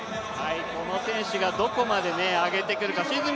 この選手がどこまで上げてくるか、シーズン